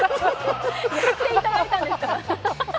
やっていただいたんですから！